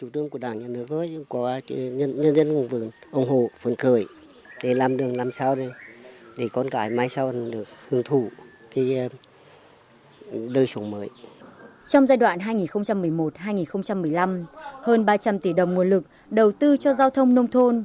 trong giai đoạn hai nghìn một mươi một hai nghìn một mươi năm hơn ba trăm linh tỷ đồng nguồn lực đầu tư cho giao thông nông thôn